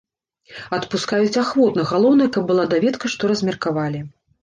Адпускаюць ахвотна, галоўнае, каб была даведка, што размеркавалі.